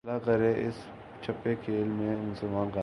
اللہ کرے اس چھپے کھیل میں مسلمان کامیاب ہو